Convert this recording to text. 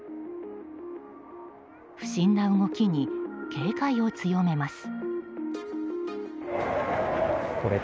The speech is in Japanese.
不審な動きに警戒を強めます。